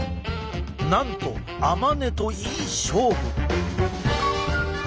なんと甘根といい勝負！